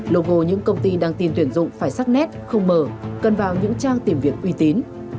logo những công ty đang tìm tuyển dụng phải sắc nét không mở cần vào những trang tìm việc uy tín